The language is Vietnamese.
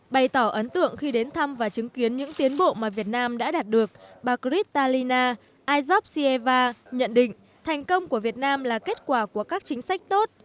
bày tỏ ấn tượng khi đến thăm và chứng kiến những tiến bộ mà việt nam đã đạt được bà gritalyna azov sieva nhận định thành công của việt nam là kết quả của các chính sách tốt